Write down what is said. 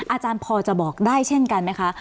อาจารย์พอจะบอกได้เช่นกันไหมคะ